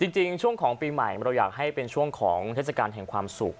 จริงช่วงของปีใหม่เราอยากให้เป็นช่วงของเทศกาลแห่งความสุข